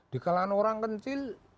di kalangan orang kecil